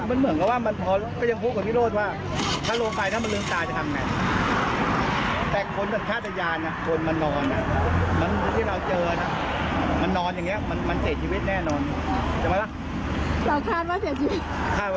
แม่แสดทำกู้ภัยมานี่กี่ปีละครับ